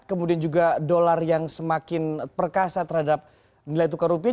kemudian juga dolar yang semakin perkasa terhadap nilai tukar rupiah